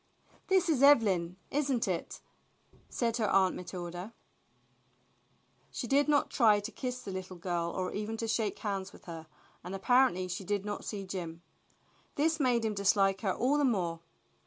"This is Evelyn, isn't it?" said her Aunt Matilda. She did not try to kiss the little girl or even to shake hands with her, and apparently she did not see Jim. This made him dislike her all the more.